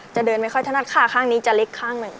จะเดินไม่ค่อยถนัดขาข้างนี้จะเล็กข้างหนึ่ง